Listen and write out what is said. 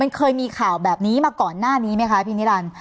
มันเคยมีข่าวแบบนี้มาก่อนหน้านี้ไหมคะพี่นิรันดิ์